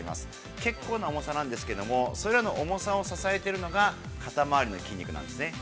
結構な重さなんですけれども、それらの重さを支えてるのが肩回りの筋肉なんですね。